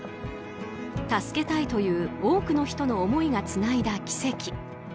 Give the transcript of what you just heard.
助けたいという多くの人の思いがつないだ奇跡。